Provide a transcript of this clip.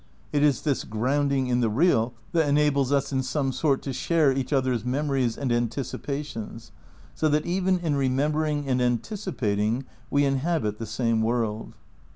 It is this grounding in the real that enables us in some sort to share each other's memories and anticipations, so that even in remembering and anticipating we inhabit the same world.